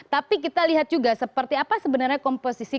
tapi kita lihat juga seperti apa sebenarnya komposisi